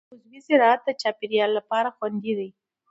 عضوي زراعت د چاپېریال لپاره خوندي دی.